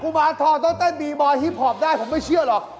มาทองต้องเต้นตีบอยฮิปพอปได้ผมไม่เชื่อหรอก